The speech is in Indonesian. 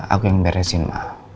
aku yang beresin ma